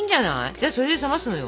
じゃあそれで冷ますのよ。